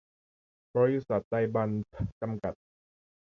บริษัท ไตรบรรพ จำกัด